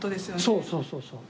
そうそうそうそう。